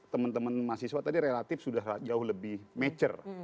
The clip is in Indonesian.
teman teman mahasiswa tadi relatif sudah jauh lebih mature